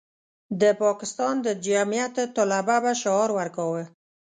د پاکستان د جمعیت طلبه به شعار ورکاوه.